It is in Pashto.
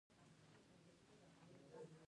خـو بـېرته مـې زړه تـه تـسلا ورکړه.